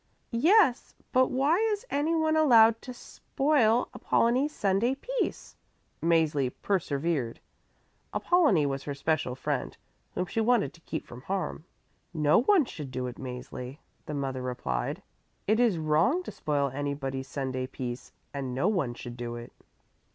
"Yes, but why is anyone allowed to spoil Apollonie's Sunday peace?" Mäzli persevered. Apollonie was her special friend, whom she wanted to keep from harm. "No one should do it, Mäzli," the mother replied. It is wrong to spoil anybody's Sunday peace and no one should do it."